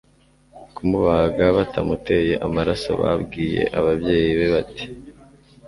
kumubaga batamuteye amaraso babwiye ababyeyi be bati